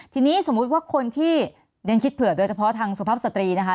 ทีนี้สมมุติว่าคนที่เรียนคิดเผื่อโดยเฉพาะทางสุภาพสตรีนะคะ